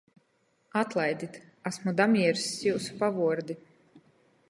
Atlaidit, asmu damierss jiusu pavuordi.